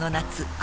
あ！